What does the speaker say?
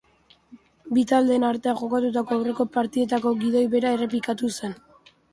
Bi taldeen artean jokatutako aurreko partidetako gidoi bera errepikatu zen.